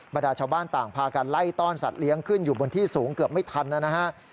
ดาชาวบ้านต่างพากันไล่ต้อนสัตว์เลี้ยงขึ้นอยู่บนที่สูงเกือบไม่ทันนะฮะ